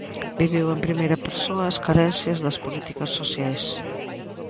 Viviu en primeira persoa as carencias das políticas sociais.